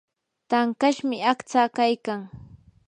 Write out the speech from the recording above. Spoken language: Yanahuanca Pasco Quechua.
tankashmi aqtsaa kaykan.